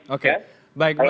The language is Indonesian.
oke baik bang habib